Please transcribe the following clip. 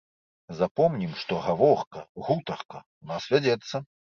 Запомнім, што гаворка, гутарка, у нас вядзецца.